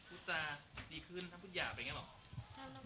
พูดจาดีขึ้นถ้าพูดหยาบยังไงหรอ